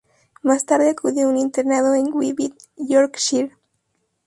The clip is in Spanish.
Más tarde acudió a un internado en Whitby, Yorkshire.